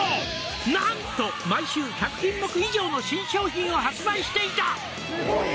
「なんと毎週１００品目以上の新商品を発売していた」